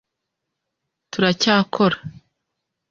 Turacyakora